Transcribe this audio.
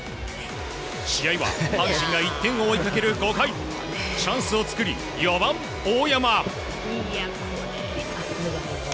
試合は阪神が１点を追いかける５回チャンスを作り、４番、大山。